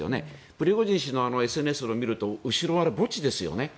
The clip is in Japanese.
プリゴジン氏のＳＮＳを見ると後ろ、墓地ですよね。